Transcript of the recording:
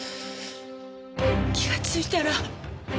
気がついたら。